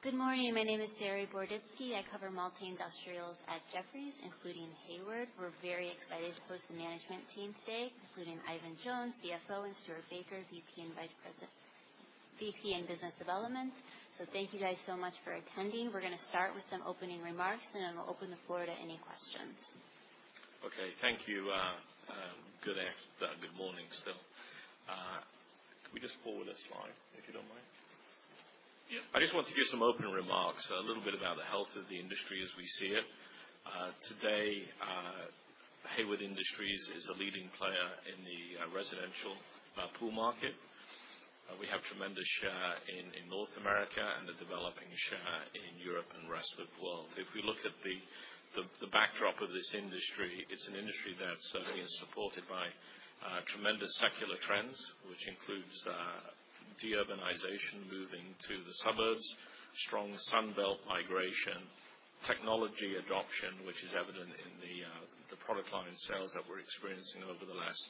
Good morning. My name is Saree Boroditsky. I cover multi-industrials at Jefferies, including Hayward. We're very excited to host the management team today, including Eifion Jones, CFO, and Stuart Baker, VP and Business Development. Thank you guys so much for attending. We're gonna start with some opening remarks, and then we'll open the floor to any questions. Okay. Thank you. Good morning still. Can we just pull the slide, if you don't mind? Yeah. I just want to give some opening remarks, a little bit about the health of the industry as we see it. Today, Hayward Industries is a leading player in the residential pool market. We have tremendous share in North America and a developing share in Europe and the rest of the world. If we look at the backdrop of this industry, it's an industry that certainly is supported by tremendous secular trends, which includes deurbanization, moving to the suburbs, strong Sun Belt migration, technology adoption, which is evident in the product line sales that we're experiencing over the last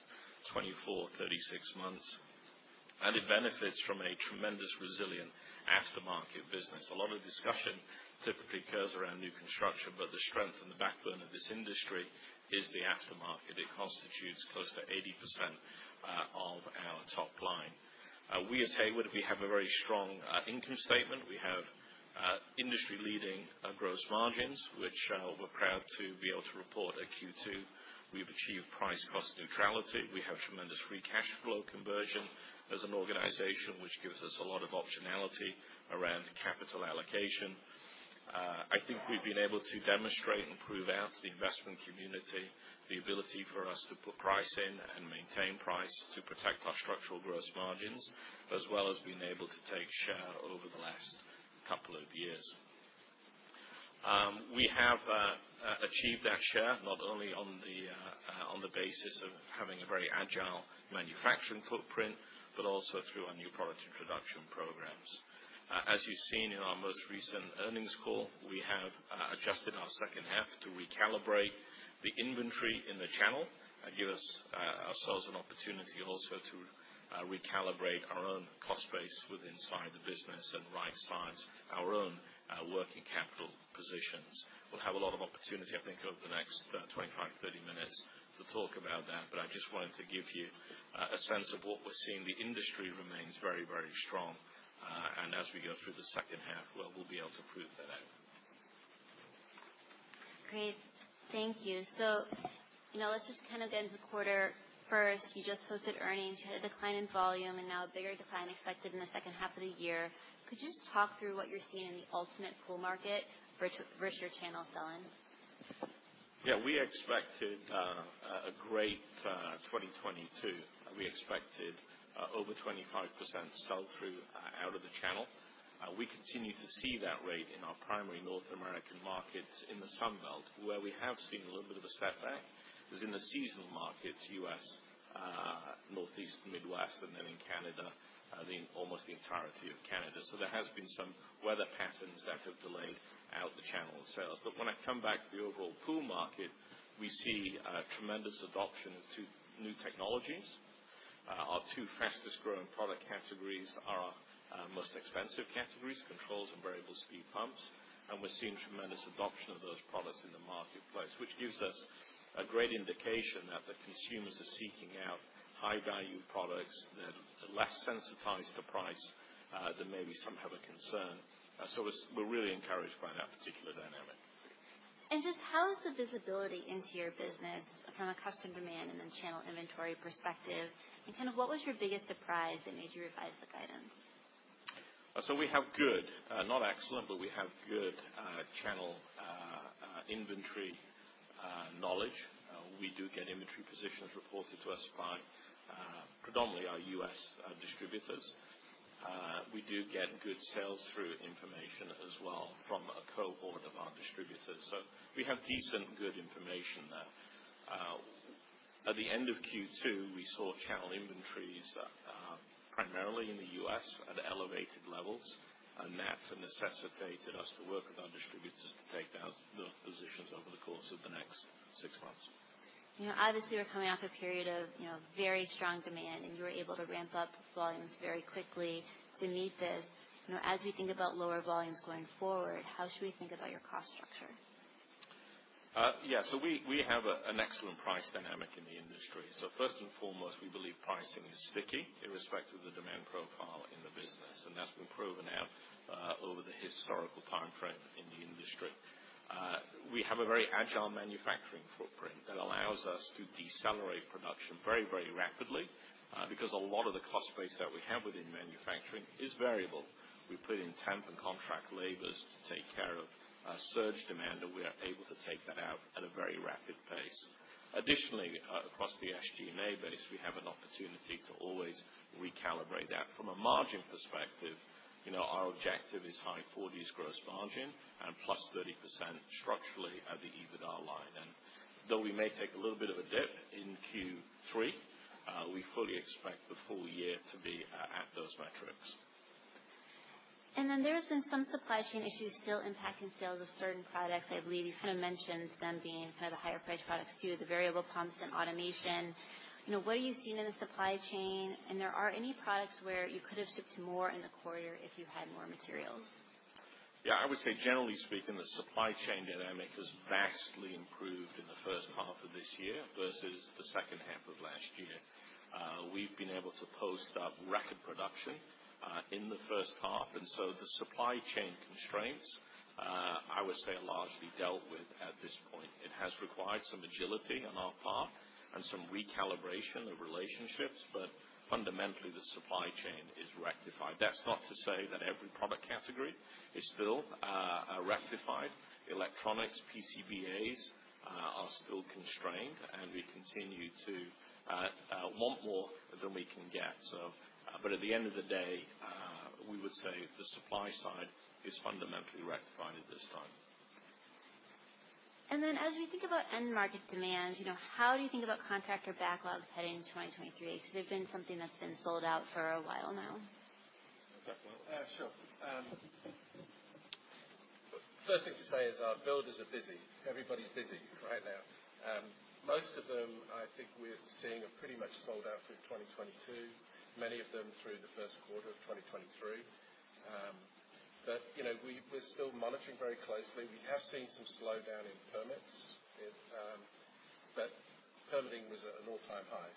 24, 36 months. It benefits from a tremendous resilient aftermarket business. A lot of discussion typically occurs around new construction, but the strength and the backbone of this industry is the aftermarket. It constitutes close to 80% of our top line. We at Hayward have a very strong income statement. We have industry-leading gross margins, which we're proud to be able to report at Q2. We've achieved price-cost neutrality. We have tremendous free cash flow conversion as an organization, which gives us a lot of optionality around capital allocation. I think we've been able to demonstrate and prove out to the investment community the ability for us to put price in and maintain price to protect our structural gross margins, as well as being able to take share over the last couple of years. We have achieved that share not only on the basis of having a very agile manufacturing footprint, but also through our new product introduction programs. As you've seen in our most recent earnings call, we have adjusted our second half to recalibrate the inventory in the channel and give ourselves an opportunity also to recalibrate our own cost base within the business and right size our own working capital positions. We'll have a lot of opportunity, I think, over the next 25, 30 minutes to talk about that, but I just wanted to give you a sense of what we're seeing. The industry remains very, very strong. As we go through the second half, well, we'll be able to prove that out. Great. Thank you. You know, let's just kind of get into quarter first. You just posted earnings. You had a decline in volume and now a bigger decline expected in the second half of the year. Could you just talk through what you're seeing in the end-user pool market versus your channel sell-in? Yeah. We expected a great 2022. We expected over 25% sell-through out of the channel. We continue to see that rate in our primary North American markets in the Sun Belt. Where we have seen a little bit of a setback is in the seasonal markets, U.S., Northeast, Midwest, and then in Canada, the entirety of Canada. There has been some weather patterns that have delayed out the channel sales. When I come back to the overall pool market, we see tremendous adoption to new technologies. Our two fastest growing product categories are our most expensive categories, controls and variable speed pumps. We're seeing tremendous adoption of those products in the marketplace, which gives us a great indication that the consumers are seeking out high-value products. They're less sensitized to price than maybe some have a concern. We're really encouraged by that particular dynamic. Just how is the visibility into your business from a customer demand and then channel inventory perspective? Kind of what was your biggest surprise that made you revise the guidance? We have good, not excellent, but we have good channel inventory knowledge. We do get inventory positions reported to us by predominantly our U.S. distributors. We do get good sales-through information as well from a cohort of our distributors. We have decent, good information there. At the end of Q2, we saw channel inventories primarily in the U.S. at elevated levels, and that necessitated us to work with our distributors to take down the positions over the course of the next six months. You know, obviously, we're coming off a period of, you know, very strong demand, and you were able to ramp up volumes very quickly to meet this. You know, as we think about lower volumes going forward, how should we think about your cost structure? We have an excellent price dynamic in the industry. First and foremost, we believe pricing is sticky irrespective of the demand profile in the business, and that's been proven out over the historical timeframe in the industry. We have a very agile manufacturing footprint that allows us to decelerate production very rapidly because a lot of the cost base that we have within manufacturing is variable. We put in temp and contract labor to take care of surge demand, and we are able to take that out at a very rapid pace. Additionally, across the SG&A base, we have an opportunity to always recalibrate that. From a margin perspective, you know, our objective is high 40% gross margin and +30% structurally at the EBITDA line. Though we may take a little bit of a dip in Q3, we fully expect the full year to be at those metrics. There's been some supply chain issues still impacting sales of certain products. I believe you kind of mentioned them being kind of the higher priced products too, the variable pumps and automation. You know, what are you seeing in the supply chain? Are there any products where you could have shipped more in the quarter if you had more materials? Yeah, I would say generally speaking, the supply chain dynamic has vastly improved in the first half of this year versus the second half of last year. We've been able to post up record production in the first half, and the supply chain constraints I would say are largely dealt with at this point. It has required some agility on our part and some recalibration of relationships. Fundamentally, the supply chain is rectified. That's not to say that every product category is still rectified. Electronics, PCBAs are still constrained, and we continue to want more than we can get. At the end of the day, we would say the supply side is fundamentally rectified at this time. As we think about end market demand, you know, how do you think about contractor backlogs heading into 2023? Because they've been something that's been sold out for a while now. Sure. First thing to say is our builders are busy. Everybody's busy right now. Most of them, I think we're seeing a pretty much sold out through 2022, many of them through the first quarter of 2023. You know, we're still monitoring very closely. We have seen some slowdown in permits, but permitting was at an all-time high.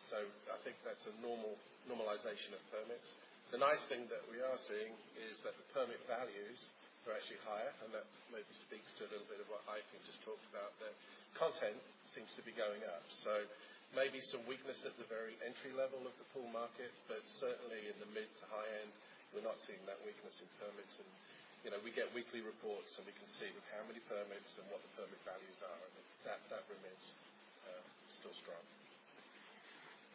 I think that's a normal normalization of permits. The nice thing that we are seeing is that the permit values are actually higher, and that maybe speaks to a little bit of what Eifion just talked about, that content seems to be going up. Maybe some weakness at the very entry level of the pool market, but certainly in the mid to high end, we're not seeing that weakness in permits. You know, we get weekly reports, and we can see how many permits and what the permit values are, and it's that that remains still strong.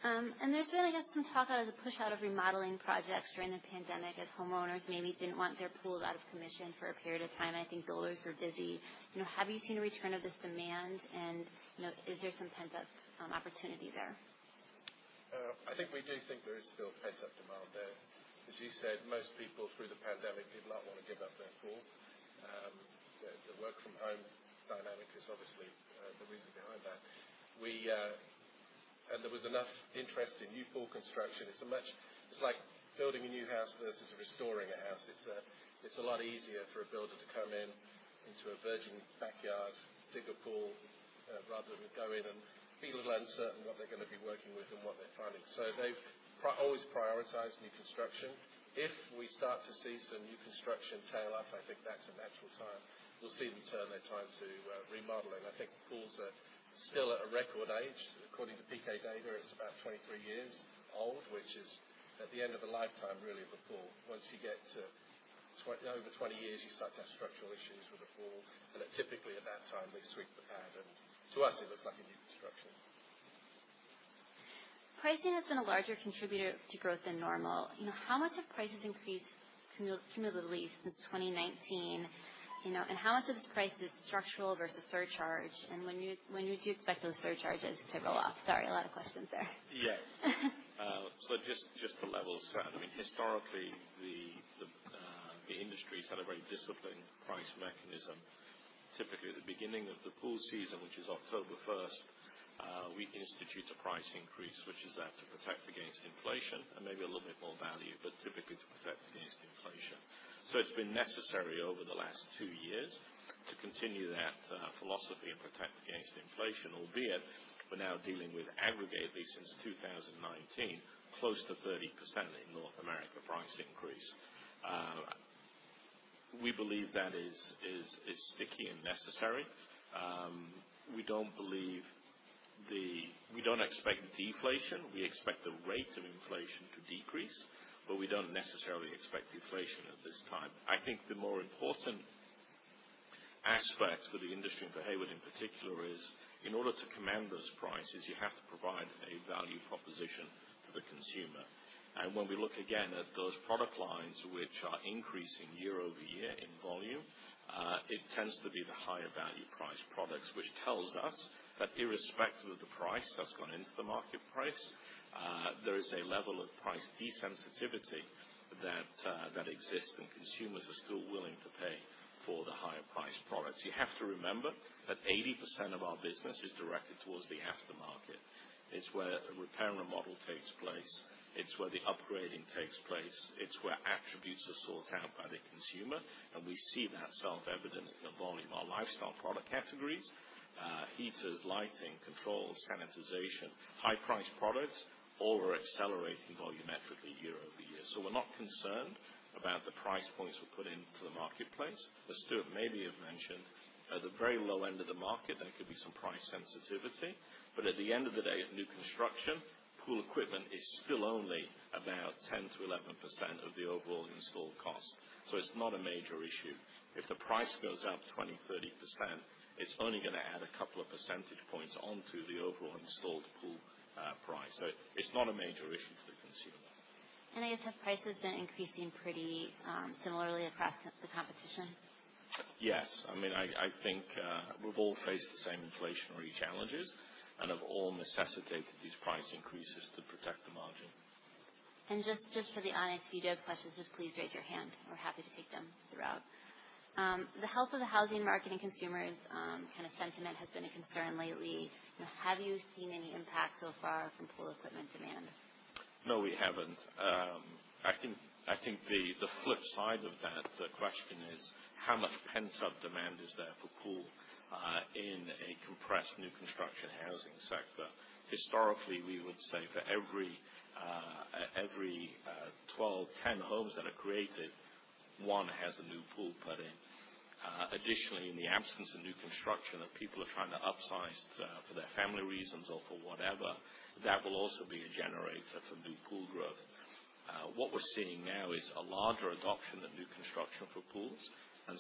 There's been, I guess, some talk out of the push out of remodeling projects during the pandemic as homeowners maybe didn't want their pools out of commission for a period of time. I think builders were busy. You know, have you seen a return of this demand? You know, is there some pent-up opportunity there? I think we do think there is still pent-up demand there. As you said, most people through the pandemic did not want to give up their pool. The work from home dynamic is obviously the reason behind that. There was enough interest in new pool construction. It's like building a new house versus restoring a house. It's a lot easier for a builder to come in into a virgin backyard, dig a pool, rather than go in and be a little uncertain what they're gonna be working with and what they're finding. So they always prioritize new construction. If we start to see some new construction tail off, I think that's a natural time. We'll see them turn their time to remodeling. I think pools are still at a record age. According to P.K. Data, it's about 23 years old, which is at the end of a lifetime, really, of a pool. Once you get to over 20 years, you start to have structural issues with a pool. Typically, at that time, they sweep the pad. To us, it looks like a new construction. Pricing has been a larger contributor to growth than normal. You know, how much have prices increased cumulatively since 2019? You know, how much of this price is structural versus surcharge? When would you expect those surcharges to roll off? Sorry, a lot of questions there. Yeah. Just to level set. I mean, historically, the industry had a very disciplined price mechanism. Typically, at the beginning of the pool season, which is October first, we institute a price increase, which is there to protect against inflation and maybe a little bit more value, but typically to protect against inflation. It's been necessary over the last two years to continue that philosophy and protect against inflation, albeit we're now dealing with, aggregatedly since 2019, close to 30% in North America price increase. We believe that is sticky and necessary. We don't expect deflation. We expect the rate of inflation to decrease, but we don't necessarily expect deflation at this time. I think the more important aspect for the industry and for Hayward in particular is in order to command those prices, you have to provide a value proposition to the consumer. When we look again at those product lines which are increasing year-over-year in volume, it tends to be the higher value price products, which tells us that irrespective of the price that's gone into the market price, there is a level of price desensitivity that exists, and consumers are still willing to pay for the higher priced products. You have to remember that 80% of our business is directed towards the aftermarket. It's where repair and remodel takes place. It's where the upgrading takes place. It's where attributes are sought out by the consumer. We see that self-evident in the volume of our lifestyle product categories, heaters, lighting, controls, sanitization. High priced products all are accelerating volumetrically year-over-year. We're not concerned about the price points we put into the marketplace. As Stuart maybe have mentioned, at the very low end of the market, there could be some price sensitivity. At the end of the day, at new construction, pool equipment is still only about 10%-11% of the overall installed cost. It's not a major issue. If the price goes up 20%, 30%, it's only gonna add a couple of percentage points onto the overall installed pool price. It's not a major issue to the consumer. I guess, have prices been increasing pretty similarly across the competition? Yes. I mean, I think we've all faced the same inflationary challenges and have all necessitated these price increases to protect the margin. Just for the audience, if you do have questions, just please raise your hand. We're happy to take them throughout. The health of the housing market and consumers kind of sentiment has been a concern lately. Have you seen any impact so far from pool equipment demand? No, we haven't. I think the flip side of that question is, how much pent-up demand is there for pool in a compressed new construction housing sector? Historically, we would say for every 10-12 homes that are created, one has a new pool put in. Additionally, in the absence of new construction, if people are trying to upsize for their family reasons or for whatever, that will also be a generator for new pool growth. What we're seeing now is a larger adoption of new construction for pools.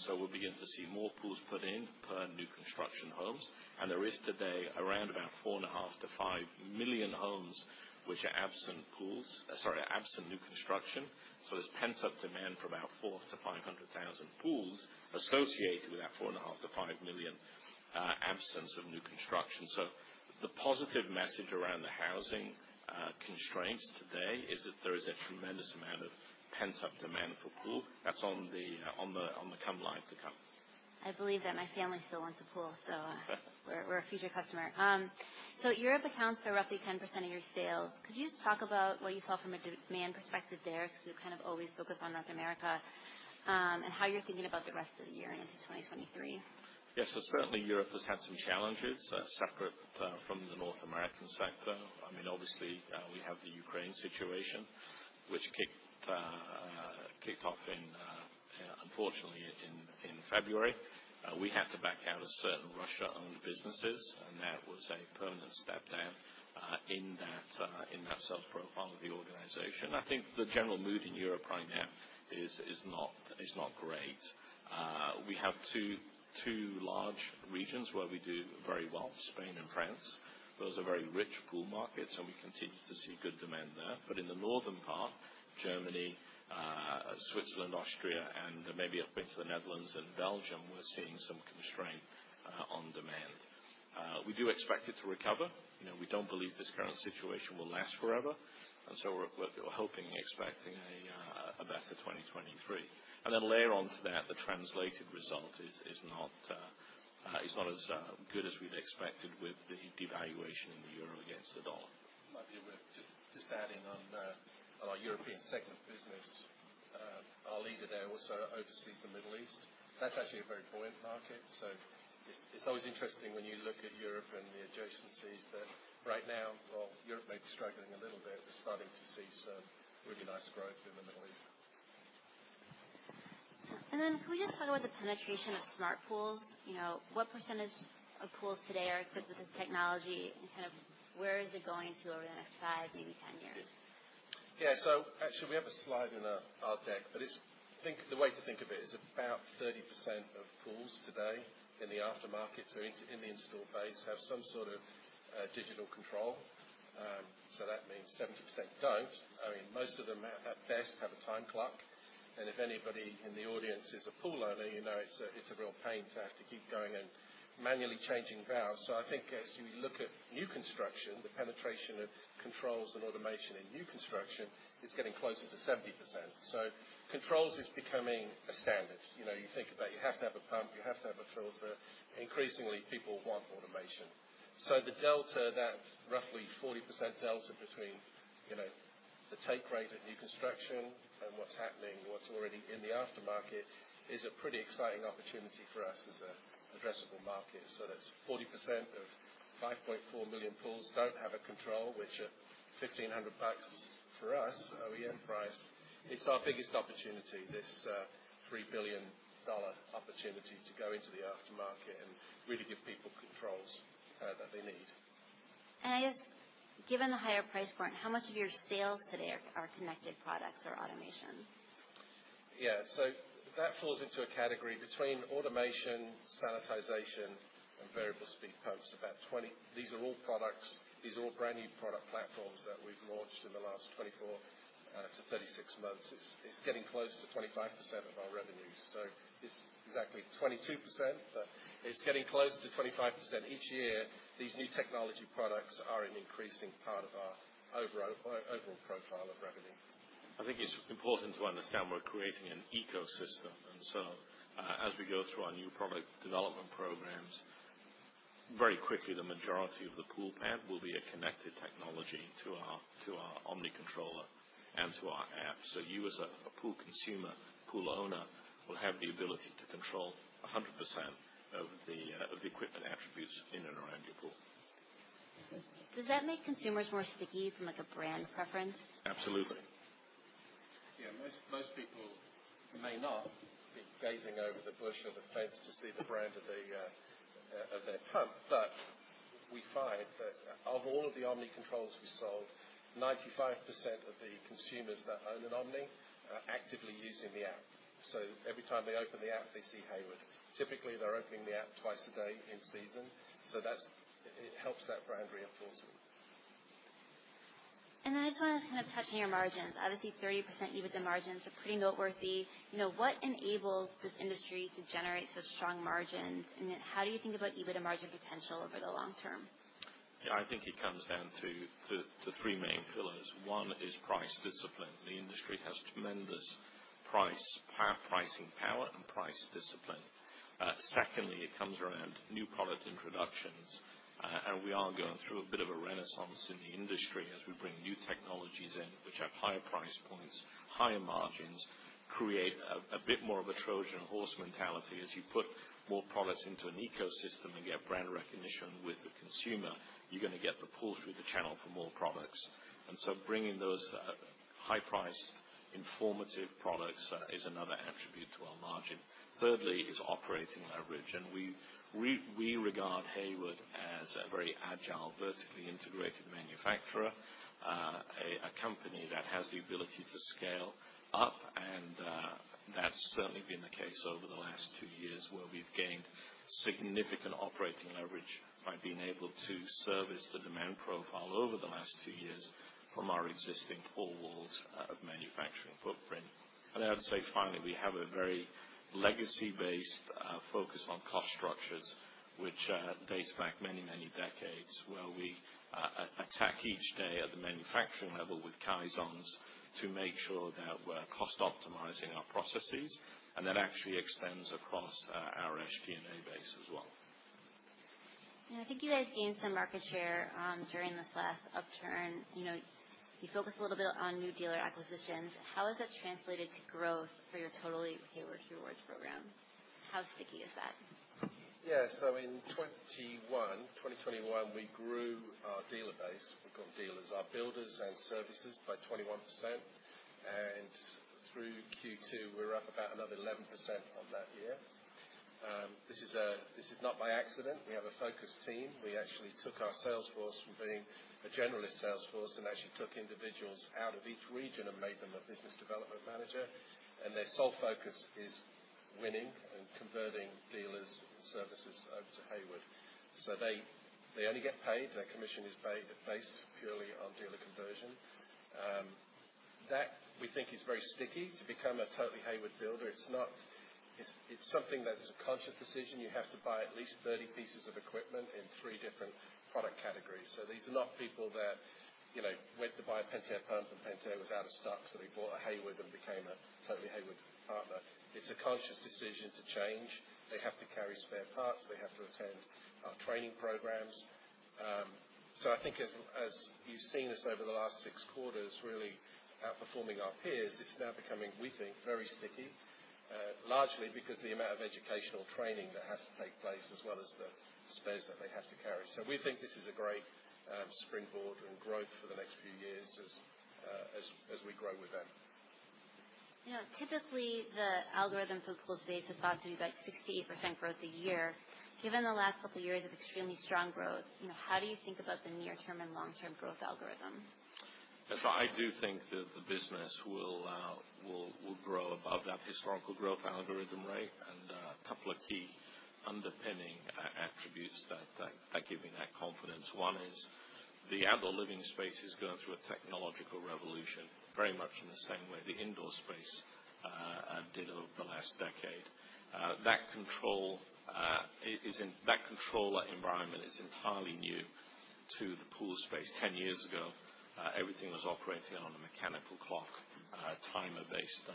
We'll begin to see more pools put in per new construction homes. There is today around about 4.5 million-5 million homes which are absent new construction. There's pent-up demand for about 400,000-500,000 pools associated with that 4.5 million-5 million absence of new construction. The positive message around the housing constraints today is that there is a tremendous amount of pent-up demand for pools that's on the come line to come. I believe that my family still wants a pool, so we're a future customer. Europe accounts for roughly 10% of your sales. Could you just talk about what you saw from a demand perspective there? Because we've kind of always focused on North America, and how you're thinking about the rest of the year into 2023. Yeah. Certainly Europe has had some challenges, separate from the North American sector. I mean, obviously, we have the Ukraine situation, which kicked off unfortunately in February. We had to back out of certain Russia-owned businesses, and that was a permanent step down in that sales profile of the organization. I think the general mood in Europe right now is not great. We have two large regions where we do very well, Spain and France. Those are very rich pool markets, and we continue to see good demand there. In the northern part, Germany, Switzerland, Austria, and maybe up into the Netherlands and Belgium, we're seeing some constraint on demand. We do expect it to recover. You know, we don't believe this current situation will last forever, and so we're hoping and expecting a better 2023. Then layer onto that, the translated result is not as good as we'd expected with the devaluation in the euro against the dollar. Might be worth just adding on our European segment business. Our leader there also oversees the Middle East. That's actually a very buoyant market. It's always interesting when you look at Europe and the adjacencies that right now, while Europe may be struggling a little bit, we're starting to see some really nice growth in the Middle East. Can we just talk about the penetration of smart pools? You know, what percentage of pools today are equipped with this technology and kind of where is it going to over the next five, maybe 10 years? Yeah. Actually we have a slide in our deck, but it's the way to think of it is about 30% of pools today in the aftermarket, so in the installed base, have some sort of digital control. That means 70% don't. I mean, most of them at best have a time clock. If anybody in the audience is a pool owner, you know it's a real pain to have to keep going and manually changing valves. I think as you look at new construction, the penetration of controls and automation in new construction is getting closer to 70%. Controls is becoming a standard. You know, you think about you have to have a pump, you have to have a filter. Increasingly, people want automation. The delta, that roughly 40% delta between, you know, the take rate of new construction and what's happening, what's already in the aftermarket is a pretty exciting opportunity for us as an addressable market. That's 40% of 5.4 million pools don't have a control, which at $1,500 for us OEM price, it's our biggest opportunity, this $3 billion opportunity to go into the aftermarket and really give people controls that they need. I guess given the higher price point, how much of your sales today are connected products or automation? Yeah. That falls into a category between automation, sanitization, and variable speed pumps, about 20%. These are all brand new product platforms that we've launched in the last 24-36 months. It's getting close to 25% of our revenue. It's exactly 22%, but it's getting close to 25%. Each year, these new technology products are an increasing part of our overall profile of revenue. I think it's important to understand we're creating an ecosystem. As we go through our new product development programs, very quickly, the majority of the pool pad will be a connected technology to our Omni controller and to our app. You as a pool consumer, pool owner, will have the ability to control 100% of the equipment attributes in and around your pool. Does that make consumers more sticky from, like, a brand preference? Absolutely. Yeah. Most people may not be gazing over the bush or the fence to see the brand of their pump. We find that of all of the Omni controls we sold, 95% of the consumers that own an Omni are actively using the app. Every time they open the app, they see Hayward. Typically, they're opening the app twice a day in season. That's it. It helps that brand reinforcement. I just wanna kind of touch on your margins. Obviously, 30% EBITDA margins are pretty noteworthy. You know, what enables this industry to generate such strong margins, and how do you think about EBITDA margin potential over the long term? Yeah. I think it comes down to three main pillars. One is price discipline. The industry has tremendous pricing power and price discipline. Secondly, it comes around new product introductions, and we are going through a bit of a renaissance in the industry as we bring new technologies in which have higher price points, higher margins, create a bit more of a Trojan horse mentality. As you put more products into an ecosystem and get brand recognition with the consumer, you're gonna get the pull through the channel for more products. And so bringing those high price innovative products is another attribute to our margin. Thirdly is operating leverage, and we regard Hayward as a very agile, vertically integrated manufacturer. A company that has the ability to scale up, and that's certainly been the case over the last two years, where we've gained significant operating leverage by being able to service the demand profile over the last two years from our existing four walls of manufacturing footprint. Then I'd say finally, we have a very legacy-based focus on cost structures, which dates back many, many decades, where we attack each day at the manufacturing level with Kaizens to make sure that we're cost optimizing our processes, and that actually extends across our SG&A base as well. I think you guys gained some market share during this last upturn. You know, you focused a little bit on new dealer acquisitions. How has that translated to growth for your Totally Hayward Rewards program? How sticky is that? Yeah. In 2021, we grew our dealer base. We grew our dealers, our builders and services by 21%. Through Q2, we're up about another 11% on that year. This is not by accident. We have a focused team. We actually took our sales force from being a generalist sales force and took individuals out of each region and made them a business development manager. Their sole focus is winning and converting dealer services over to Hayward. They only get paid, their commission is paid based purely on dealer conversion. That we think is very sticky. To become a Totally Hayward builder, it's something that is a conscious decision. You have to buy at least 30 pieces of equipment in three different product categories. These are not people that, you know, went to buy a Pentair pump and Pentair was out of stock, so they bought a Hayward and became a Totally Hayward partner. It's a conscious decision to change. They have to carry spare parts. They have to attend our training programs. I think as you've seen us over the last six quarters, really outperforming our peers, it's now becoming, we think, very sticky, largely because the amount of educational training that has to take place, as well as the spares that they have to carry. We think this is a great springboard and growth for the next few years as we grow with them. You know, typically the algorithm for poolscape is thought to be about 6%-8% growth a year. Given the last couple of years of extremely strong growth, you know, how do you think about the near term and long term growth algorithm? Yes. I do think that the business will grow above that historical growth algorithm rate. A couple of key underpinning attributes that give me that confidence. One is the outdoor living space is going through a technological revolution, very much in the same way the indoor space did over the last decade. That controller environment is entirely new to the pool space. 10 years ago, everything was operating on a mechanical clock, timer-based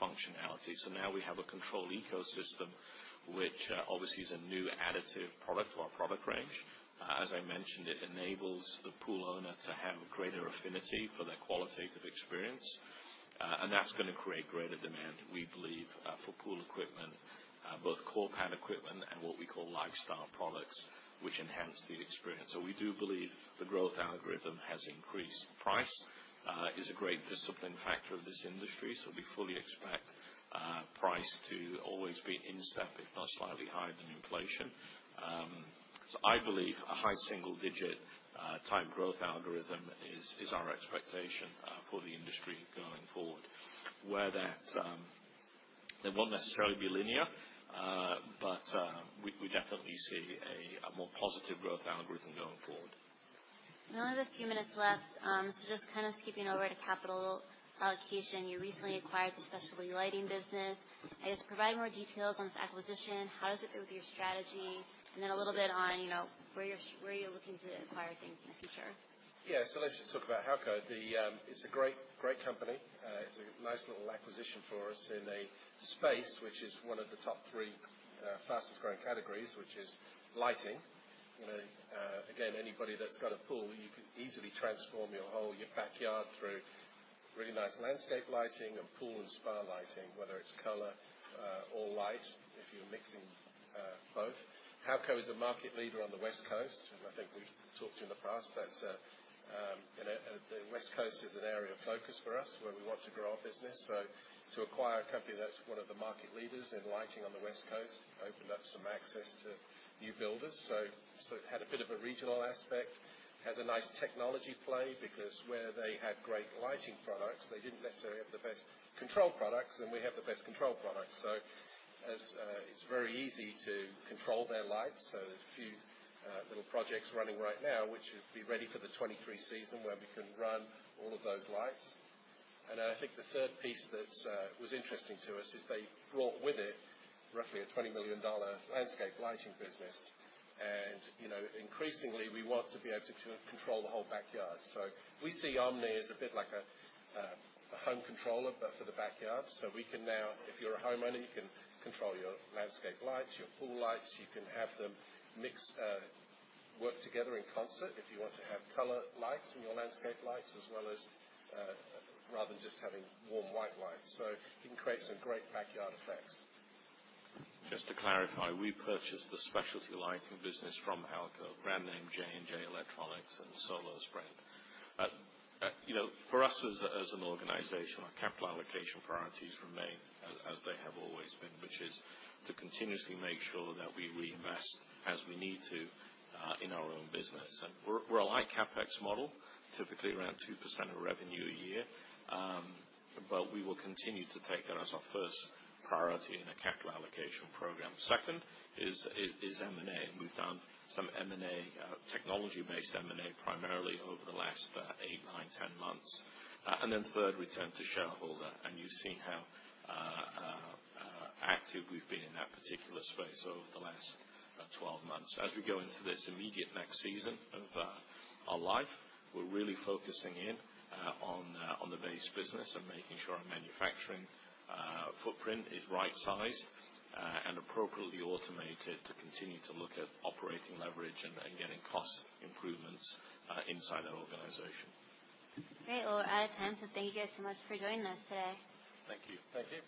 functionality. Now we have a controlled ecosystem, which obviously is a new additive product to our product range. As I mentioned, it enables the pool owner to have a greater affinity for their qualitative experience, and that's gonna create greater demand, we believe, for pool equipment, both core pool equipment and what we call lifestyle products, which enhance the experience. We do believe the growth algorithm has increased. Price is a great discipline factor of this industry, so we fully expect price to always be in step, if not slightly higher than inflation. I believe a high single-digit type growth algorithm is our expectation for the industry going forward. It won't necessarily be linear, but we definitely see a more positive growth algorithm going forward. Only have a few minutes left, so just kind of skipping over to capital allocation. You recently acquired the specialty lighting business. Can you just provide more details on this acquisition? How does it fit with your strategy? Then a little bit on, you know, where you're looking to acquire things in the future. Yeah. Let's just talk about Halco. It's a great company. It's a nice little acquisition for us in a space which is one of the top three fastest growing categories, which is lighting. You know, again, anybody that's got a pool, you can easily transform your whole backyard through really nice landscape lighting and pool and spa lighting, whether it's color or light, if you're mixing both. Halco is a market leader on the West Coast, and I think we've talked in the past that you know, the West Coast is an area of focus for us, where we want to grow our business. To acquire a company that's one of the market leaders in lighting on the West Coast opened up some access to new builders. It had a bit of a regional aspect. It has a nice technology play because where they had great lighting products, they didn't necessarily have the best control products, and we have the best control products. It's very easy to control their lights. There's a few little projects running right now, which should be ready for the 2023 season where we can run all of those lights. I think the third piece that was interesting to us is they brought with it roughly a $20 million landscape lighting business. You know, increasingly we want to be able to control the whole backyard. We see Omni as a bit like a home controller, but for the backyard. We can now, if you're a homeowner, you can control your landscape lights, your pool lights. You can have them mix, work together in concert if you want to have color lights in your landscape lights as well as, rather than just having warm white lights. You can create some great backyard effects. Just to clarify, we purchased the specialty lighting business from Halco, brand name J&J Electronics and Sollos. You know, for us as an organization, our capital allocation priorities remain as they have always been, which is to continuously make sure that we reinvest as we need to in our own business. We're a high CapEx model, typically around 2% of revenue a year. But we will continue to take that as our first priority in a capital allocation program. Second is M&A. We've done some M&A, technology-based M&A primarily over the last eight, nine, 10 months. Third, return to shareholder. You've seen how active we've been in that particular space over the last 12 months. As we go into this immediate next season of our life, we're really focusing in on the base business and making sure our manufacturing footprint is right sized and appropriately automated to continue to look at operating leverage and getting cost improvements inside our organization. Okay. We're out of time. Thank you guys so much for joining us today. Thank you. Thank you.